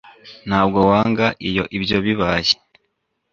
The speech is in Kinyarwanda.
ntabwo wanga iyo ibyo bibaye